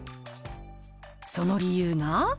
その理由が。